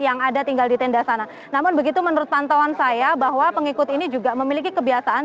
yang ada tinggal di tenda sana namun begitu menurut pantauan saya bahwa pengikut ini juga memiliki kebiasaan